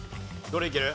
どれいける？